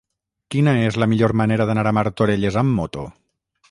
Quina és la millor manera d'anar a Martorelles amb moto?